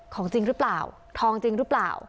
ของจริงรึเปล่าทองจริงรึเปล่า